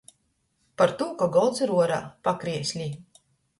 Partū ka golds ir uorā, pakrieslī.